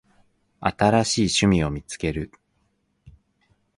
新しい趣味を見つける